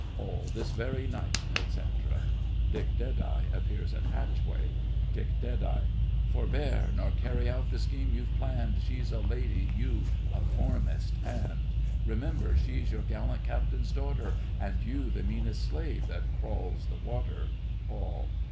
ALL. This very night, etc. (DICK appears at hatchway.) DICK. Forbear, nor carry out the scheme you've planned; She is a lady—you a foremast hand! Remember, she's your gallant captain's daughter, And you the meanest slave that crawls the water! ALL.